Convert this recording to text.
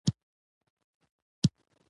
د پارلمان جوړیدل وړاندوینه وشوه.